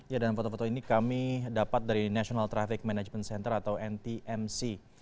ya dan foto foto ini kami dapat dari national traffic management center atau ntmc